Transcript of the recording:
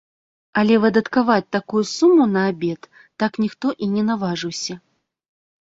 Але выдаткаваць такую суму на абед так ніхто і не наважыўся.